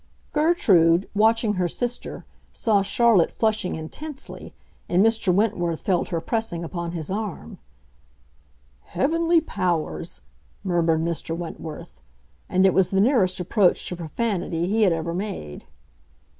Gertrude, watching her sister, saw Charlotte flushing intensely, and Mr. Wentworth felt her pressing upon his arm. "Heavenly Powers!" murmured Mr. Wentworth. And it was the nearest approach to profanity he had ever made.